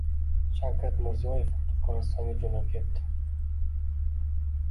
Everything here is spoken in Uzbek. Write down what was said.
Shavkat Mirziyoyev Turkmanistonga jo‘nab ketdi